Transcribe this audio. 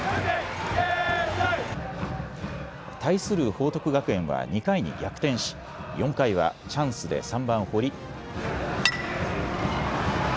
対する報徳学園は２回に逆転し４回はチャンスで３番・堀。